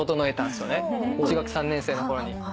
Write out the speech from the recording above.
中学３年生のころに。